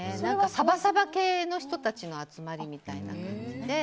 サバサバ系の人たちの集まりみたいなので。